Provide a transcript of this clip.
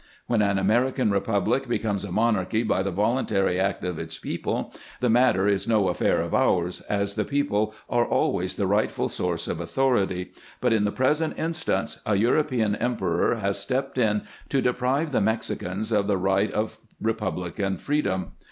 "When an American republic becomes a monarchy by the voluntary act of its people, the matter is no affair of ours, as the people are always the rightful source of authority ; but in the present instance a European emperor has stepped in to deprive the Mexicans of the right of republican freedom.